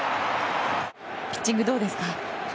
ピッチング、どうですか？